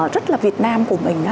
rất là việt nam của mình